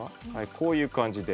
こういう感じで。